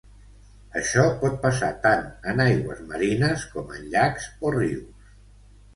Això pot passar tant en aigües marines com en llacs o rius.